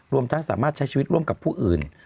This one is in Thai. รวมทั้งสามารถใช้ชีวิตร่วมกับผู้อื่น